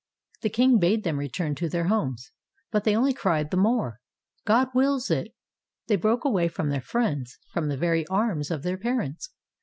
The king bade them return to their homes, but they only cried the more, " God wills it! " They broke away from their friends, from the very arms of their parents.